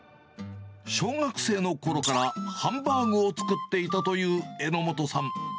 小学生のころから、ハンバーグを作っていたという榎本さん。